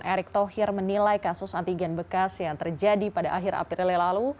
erick thohir menilai kasus antigen bekas yang terjadi pada akhir april lalu